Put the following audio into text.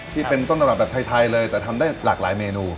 ที่เป็นต้นตำรับแบบไทยเลยแต่ทำได้หลากหลายเมนู